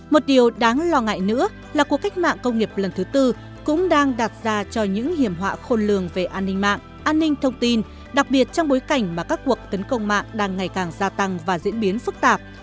một điều đáng lo ngại nữa là cuộc cách mạng công nghiệp lần thứ tư cũng đang đặt ra cho những hiểm họa khôn lường về an ninh mạng an ninh thông tin đặc biệt trong bối cảnh mà các cuộc tấn công mạng đang ngày càng gia tăng và diễn biến phức tạp